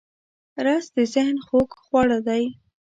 رس د ذهن خوږ خواړه دی